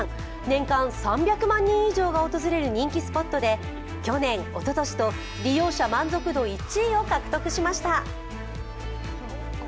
年間３００万人以上が訪れる人気スポットで去年、おととしと利用者満足度１位を獲得しました。